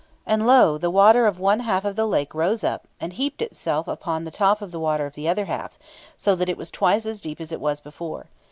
And, lo! the water of one half of the lake rose up, and heaped itself upon the top of the water of the other half, so that it was twice as deep as it was before.